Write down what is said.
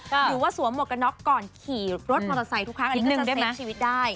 หรือว่าสวมหมวกกันน็อกก่อนขี่รถมอเตอร์ไซค์ทุกครั้งนิดนึงได้ไหมชีวิตได้